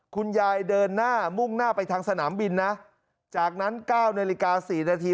เดินหน้ามุ่งหน้าไปทางสนามบินนะจากนั้น๙นาฬิกา๔นาที